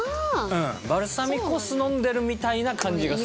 うんバルサミコ酢飲んでるみたいな感じがする。